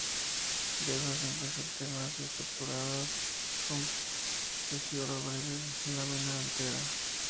De hojas simples, alternas, estipuladas, con pecíolo breve, lámina entera.